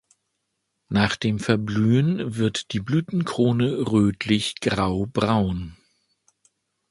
Nach dem Verblühen wird die Blütenkrone rötlich-graubraun.